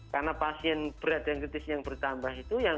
karena pasien berat dan kritis yang bertambah itu yang